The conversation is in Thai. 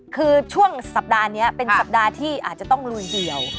คือช่วงสัปดาห์นี้เป็นสัปดาห์ที่อาจจะต้องลุยเดียว